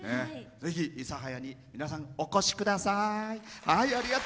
ぜひ、諫早に皆さんお越しください。